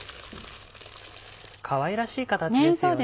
かわいらしい形ですよね。